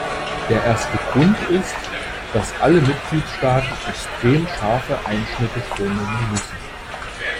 Der erste Grund ist, dass alle Mitgliedstaaten extrem scharfe Einschnitte vornehmen müssen.